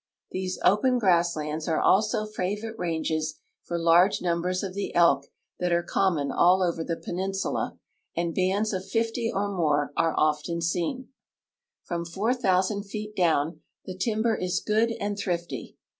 These open grass lands are also favorite ranges for large numbers of the elk that are common all over the peninsula and bands of fifty or more are often seen. From 4,000 feet down, the timber is good and thrifty.